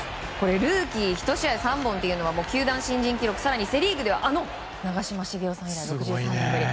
ルーキー１試合３本というのは球団新人記録更にセ・リーグではあの長嶋茂雄さん以来６３年ぶり。